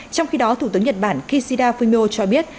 trong khi đó thủ tướng nhật bản kishida fumio cho biết